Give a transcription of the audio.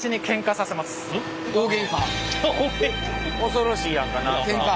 恐ろしいやんか何か。